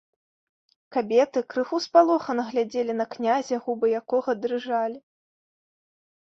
Кабеты крыху спалохана глядзелі на князя, губы якога дрыжалі.